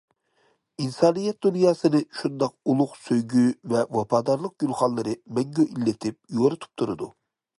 ئىنسانىيەت دۇنياسىنى شۇنداق ئۇلۇغ سۆيگۈ ۋە ۋاپادارلىق گۈلخانلىرى مەڭگۈ ئىللىتىپ، يورۇتۇپ تۇرىدۇ.